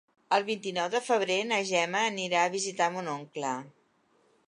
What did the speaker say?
El vint-i-nou de febrer na Gemma anirà a visitar mon oncle.